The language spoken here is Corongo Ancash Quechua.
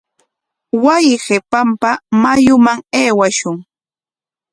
Wasi qipanpa mayuman aywashun.